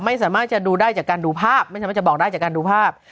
ไม่สามารถจะดูได้จากการดูภาพไม่สามารถจะบอกได้จากการดูภาพ